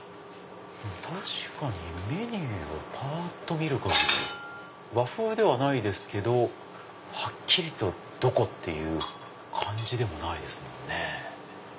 確かにメニューをぱっと見る限り和風ではないですけどはっきりとどこ！って感じでもないですもんね。